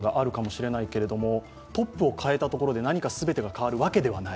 私たちも確かに高揚感があるかもしれないけれども、トップを変えたところで全てが変わるわけではない。